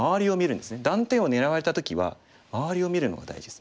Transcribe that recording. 断点を狙われた時は周りを見るのが大事です。